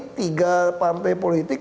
tiga partai politik